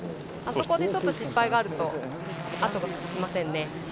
あそこでちょっと失敗があるとあとが続きませんね。